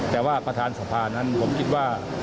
แต่ว่าประธานสภานั้นผมคิดว่า